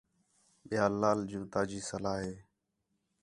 ٻِیال لا جوں تاجی صلاح ہے